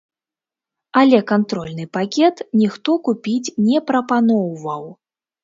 Але кантрольны пакет ніхто купіць не прапаноўваў.